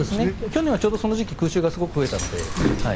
去年はちょうどその時期空襲がすごく増えたので。